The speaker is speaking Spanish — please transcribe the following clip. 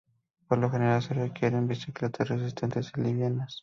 Por lo general, se requieren bicicletas resistentes y livianas.